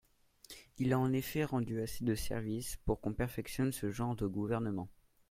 Il a en effet rendu assez de services pour qu'on perfectionne ce genre de gouvernement.